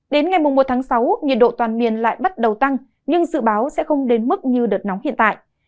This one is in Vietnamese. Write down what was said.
đến ngày một tháng sáu nhiệt độ toàn miền lại bắt đầu tăng nhưng dự báo sẽ không đến mức như đợt nóng hiện tại